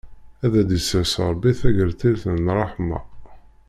Ad d-issers Ṛebbi tagertilt n ṛṛeḥma!